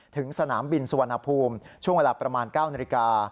ถึงสนามบินสุวรรณภูมิช่วงเวลาประมาณ๙นาฬิกา